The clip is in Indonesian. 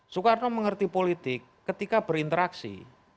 soekarno mengerti politik ketika berinteraksi